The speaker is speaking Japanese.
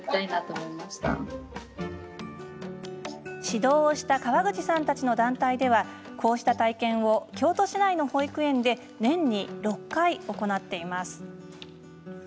指導をした河口さんたちの団体ではこうした体験を京都市内の保育園で年に６回行っています。